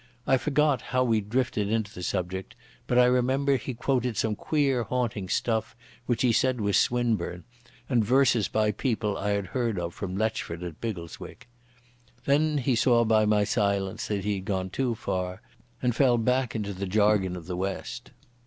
I forgot how we drifted into the subject, but I remember he quoted some queer haunting stuff which he said was Swinburne, and verses by people I had heard of from Letchford at Biggleswick. Then he saw by my silence that he had gone too far, and fell back into the jargon of the West.